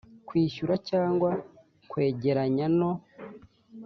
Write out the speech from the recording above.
kwishyura cyangwa kwegeranya no